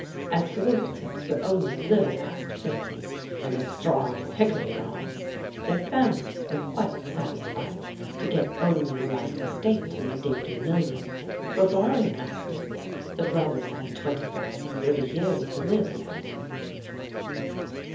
As the Winkletips were only a little past fifty, and as strong as hickory knobs, their families were quite satisfied to get only a life estate in the Dingee million, for, barring accidents, the brothers had twenty five or thirty years to live yet.